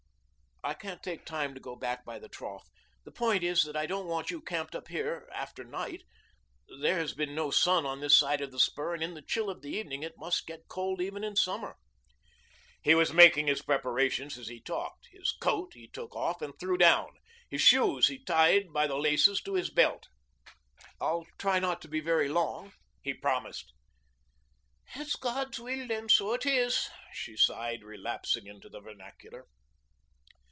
"I can't take time to go back by the trough. The point is that I don't want you camped up here after night. There has been no sun on this side of the spur and in the chill of the evening it must get cold even in summer." He was making his preparations as he talked. His coat he took off and threw down. His shoes he tied by the laces to his belt. "I'll try not to be very long," he promised. "It's God's will then, so it is," she sighed, relapsing into the vernacular.